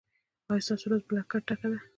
ایا ستاسو ورځ له برکته ډکه ده؟